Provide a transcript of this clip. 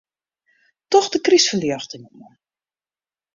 Doch de krystferljochting oan.